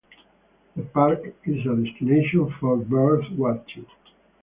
The park is a destination for birdwatching.